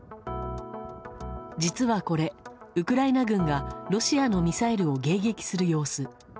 実はこれ、ウクライナ軍がロシアのミサイルを迎撃する様子。